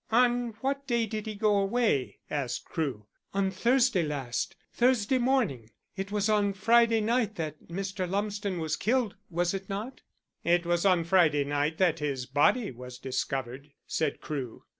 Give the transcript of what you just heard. "On what day did he go away?" asked Crewe. "On Thursday last Thursday morning. It was on Friday night that Mr. Lumsden was killed, was it not?" "It was on Friday night that his body was discovered," said Crewe.